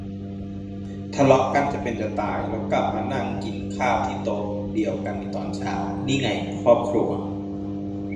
ทะเลาะกันจะเป็นจะตาย แล้วกลับมานั่งกินข้าวที่โต๊ะเดียวกันในตอนเช้า นี่ไง ครอบครัว